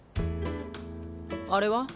あれは？